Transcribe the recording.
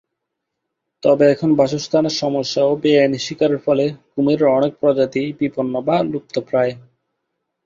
তবে এখন বাসস্থানের সমস্যা ও বেআইনি শিকারের ফলে কুমিরের অনেক প্রজাতিই বিপন্ন বা লুপ্তপ্রায়।